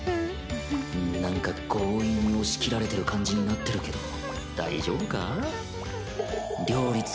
なんか強引に押し切られてる感じになってるけどふんふん。